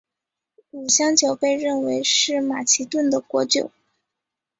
乳香酒被认为是马其顿的国酒。